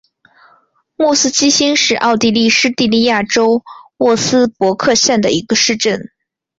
莫斯基兴是奥地利施蒂利亚州沃茨伯格县的一个市镇。